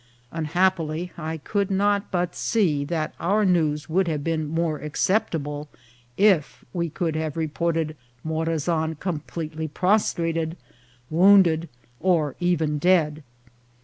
Unhappily, I could not but see that our news would have been more acceptable if we could have reported Morazan completely prostrated, wounded, or even dead.